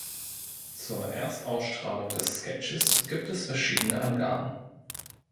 Zur Erstausstrahlung des Sketches gibt es verschiedene Angaben.